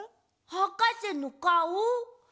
はかせのかお！？